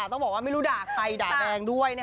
ต้องบอกว่าไม่รู้ด่าใครด่าแรงด้วย